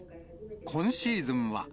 今シーズンは。